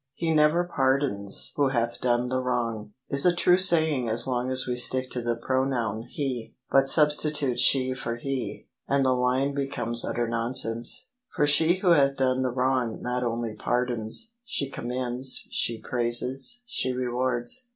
" He never pardons who hath done the wrong," is a true saying as long as we stick to the pronoun " he "; but substitute " she " for " he," and the line becomes utter nonsense. For she who hath done the wrong not only pardons — she conunends, she praises, she rewards.